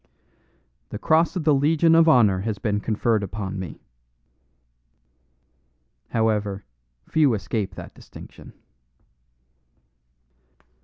The cross of the Legion of Honor has been conferred upon me. However, few escape that distinction.